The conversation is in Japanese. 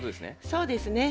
そうですね。